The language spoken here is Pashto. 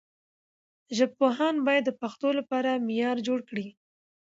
ژبپوهان باید د پښتو لپاره معیار جوړ کړي.